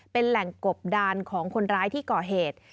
เป็นแหล่งกบดานของคนร้ายที่ก่อเหตุ